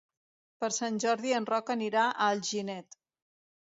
Per Sant Jordi en Roc anirà a Alginet.